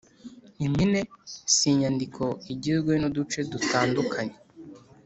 impine si inyandiko igizwe n’uduce dutandukanye